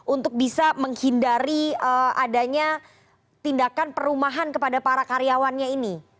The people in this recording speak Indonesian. untuk bisa menghindari adanya tindakan perumahan kepada para karyawannya ini